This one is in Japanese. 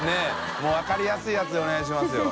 もう分かりやすいやつでお願いしますよ。